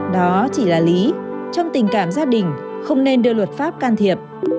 đó chỉ là lý trong tình cảm gia đình không nên đưa luật pháp can thiệp